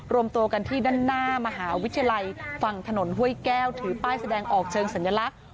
รวมตัวกันที่ด้านหน้ามหาวิทยาลัยฝั่งถนนห้วยแก้วถือป้ายแสดงออกเชิงสัญลักษณ์